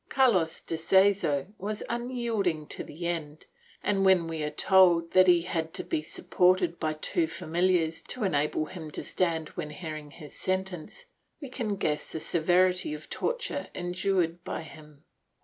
Carlos de Seso was un yielding to the end and, when we are told that he had to be sup ported by two famihars to enable him to stand when hearing his sentence, we can guess the severity of torture endured by him.